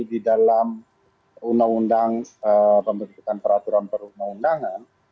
di dalam undang undang pembentukan peraturan perundang undangan